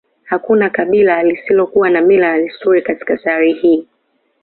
Hakuna kabila lisilokuwa na mila na desturi katika sayari hii